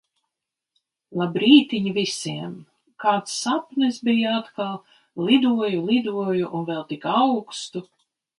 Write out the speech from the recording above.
Labrītiņ visiem! Kāds sapnis bija atkal! Lidoju, lidoju un vēl tik augstu.